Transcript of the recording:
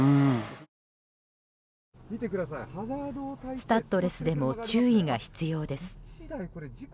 スタッドレスでも注意が必要です。